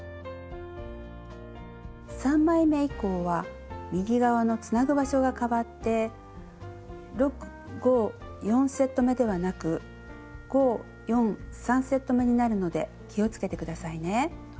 ３枚め以降は右側のつなぐ場所が変わって６５４セットめではなく５４３セットめになるので気を付けて下さいね。